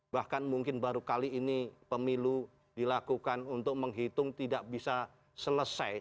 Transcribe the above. bahkan mungkin baru kali ini pemilu dilakukan untuk menghitung tidak bisa selesai